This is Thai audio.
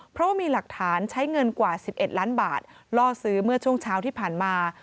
เพราะว่ามีหลักฐานใช้เงินกว่า๑๑ล้านบาทล่อซื้อเมื่อช่วงเช้าที่ผ่านมา